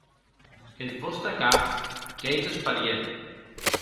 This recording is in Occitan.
Eth vòste cas qu’ei desparièr.